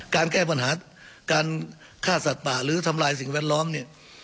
การแก้ปัญหาการฆ่าสัตว์ป่าหรือทำลายสิ่งแวดล้อมเนี่ย